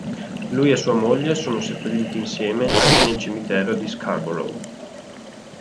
Lui e sua moglie sono seppelliti insieme nel cimitero di Scarborough.